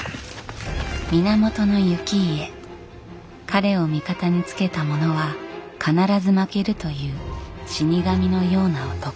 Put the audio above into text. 彼を味方につけた者は必ず負けるという死に神のような男。